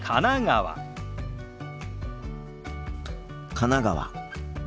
神奈川。